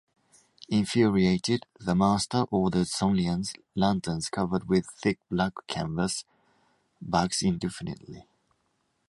Infuriated, the master orders Songlian's lanterns covered with thick black canvas bags indefinitely.